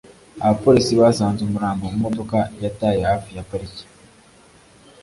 abapolisi basanze umurambo mu modoka yataye hafi ya parike